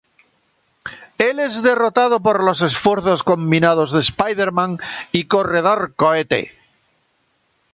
Él es derrotado por los esfuerzos combinados de Spider-Man y Corredor Cohete.